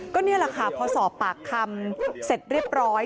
ก็นี่แหละค่ะพอสอบปากคำเสร็จเรียบร้อย